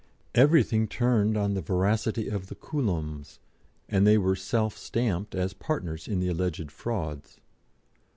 Everything turned on the veracity of the Coulombs, and they were self stamped as partners in the alleged frauds.